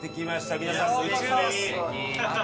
皆さん夢中です！